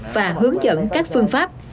và hướng dẫn các phương pháp